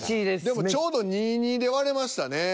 でもちょうど２：２で割れましたね。